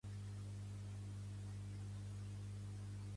A quin preu són els albercocs?